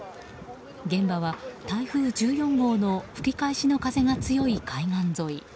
現場は台風１４号の吹き返しの風が強い海岸沿い。